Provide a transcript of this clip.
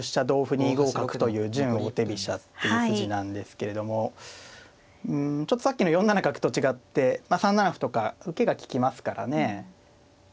２五角という準王手飛車という筋なんですけれどもうんちょっとさっきの４七角と違って３七歩とか受けが利きますからね。